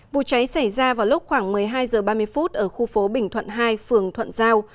vụ cháy xảy ra vào lúc khoảng một mươi hai h ba mươi ở khu phố bình thuận hai phường thuận giao